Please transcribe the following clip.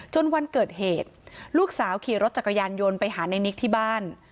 วันเกิดเหตุลูกสาวขี่รถจักรยานยนต์ไปหาในนิกที่บ้าน